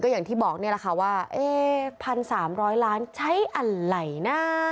อย่างที่บอกนี่แหละค่ะว่า๑๓๐๐ล้านใช้อะไรนะ